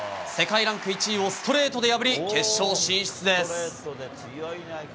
世界ランク１位をストレートで破り決勝進出です。